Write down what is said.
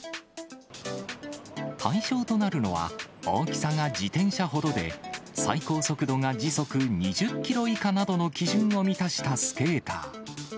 対象となるのは、大きさが自転車ほどで、最高速度が時速２０キロ以下などの基準を満たしたスケーター。